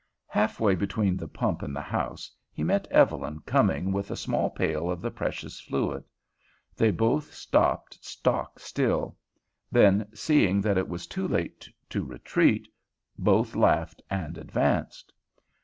Halfway between the pump and the house he met Evelyn coming with a small pail of the precious fluid. They both stopped stock still; then, seeing that it was too late to retreat, both laughed and advanced.